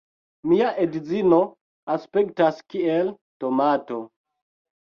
Mia edzino aspektas kiel tomato